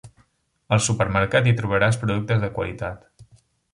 Al supermercat hi trobaràs productes de qualitat.